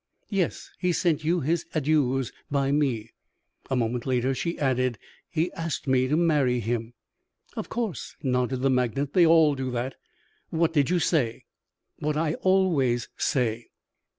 "Yes. He sent you his adieus by me." A moment later she added: "He asked me to marry him." "Of course," nodded the magnate, "they all do that. What did you say?" "What I always say."